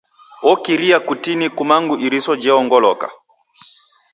Okiria kutini kumangu iriso jeongoloka.